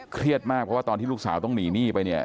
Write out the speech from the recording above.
เครียดมากเพราะว่าตอนที่ลูกสาวต้องหนีหนี้ไปเนี่ย